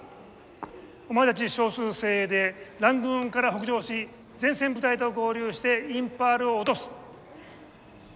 お前たち少数精鋭でラングーンから北上し前線部隊と合流してインパールを落とす。